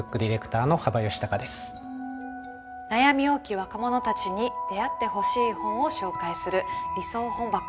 悩み多き若者たちに出会ってほしい本を紹介する「理想本箱」。